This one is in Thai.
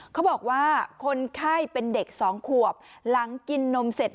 เขาบอกว่าคนไข้เป็นเด็กสองขวบหลังกินนมเสร็จ